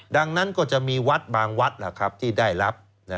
ดังนั้นก็จะมีวัดบางวัดที่ได้รับ